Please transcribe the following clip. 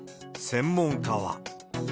専門家は。